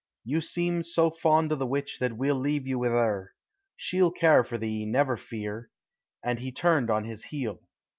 You seem so fond o' the witch that we'll leave you with 'er. She'll care for thee, never fear," and he turned on his heel.